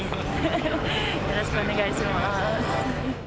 よろしくお願いします。